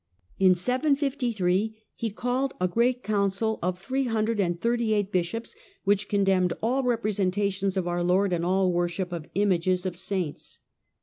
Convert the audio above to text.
In 753 he ailed a great council of three hundred and thirty eight ishops, which condemned all representations of our Lord nd all worship of images of saints.